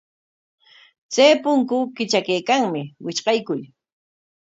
Chay punku kitrakaykanmi, witrqaykuy.